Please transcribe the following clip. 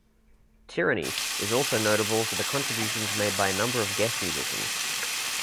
"Tyranny" is also notable for the contributions made by a number of guest musicians.